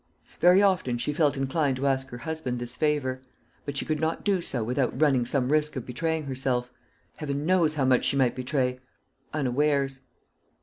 Very often she felt inclined to ask her husband this favour; but she could not do so without running some risk of betraying herself Heaven knows how much she might betray unawares.